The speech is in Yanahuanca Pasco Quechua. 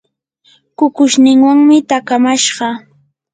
kukushninwanmi taakamashqa.